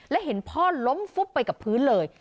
และเห็นพ่อล้มฟุบไปกับพื้นเลย